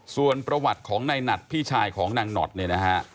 ส่วนประวัติของในหนัดพี่ชายของนางหนอดเนี่ยนะฮะ